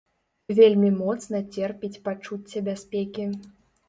Вельмі моцна церпіць пачуцце бяспекі.